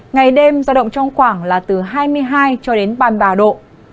ngày đêm giao động trong khoảng là từ hai mươi hai cho đến ba mươi ba độ